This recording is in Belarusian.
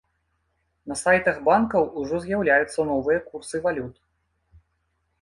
На сайтах банкаў ужо з'яўляюцца новыя курсы валют.